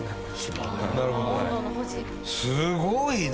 すごいな！